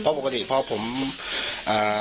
หนูจะให้เขาเซอร์ไพรส์ว่าหนูเก่ง